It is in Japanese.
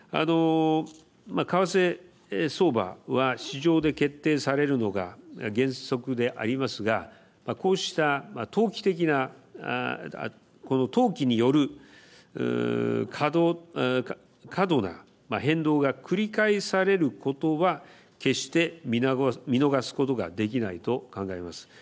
為替相場は、市場で決定されるのが原則でありますがこうした投機的な投機による過度な変動が繰り返されることは決して見逃すことができないと考えます。